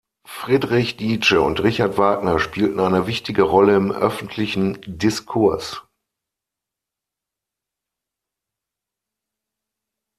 Friedrich Nietzsche und Richard Wagner spielten eine wichtige Rolle im öffentlichen Diskurs.